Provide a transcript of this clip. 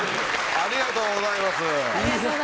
ありがとうございます。